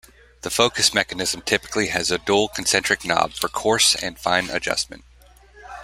The focus mechanism typically has a dual concentric knob for coarse and fine adjustment.